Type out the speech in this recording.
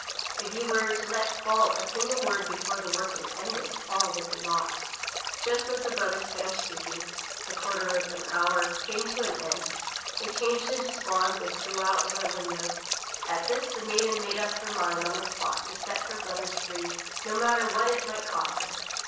If you were to let fall a single word before the work was ended, all would be lost/' Just as the brothers finished speaking, the quarter of an hour came to an end, they changed into swans and flew out of the window. At this> the maiden made up her mind on the spot to set her brothers free, no matter what it might cost her.